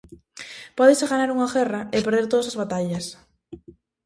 Pódese ganar unha guerra e perder todas as batallas.